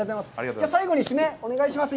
じゃあ、最後に締め、お願いします。